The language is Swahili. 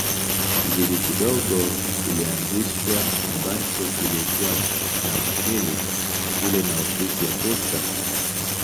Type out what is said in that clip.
Kijiji kidogo kilianzishwa ambacho kilikuwa na hoteli, shule na ofisi ya posta.